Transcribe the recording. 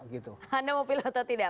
gitu anda mau pilih atau tidak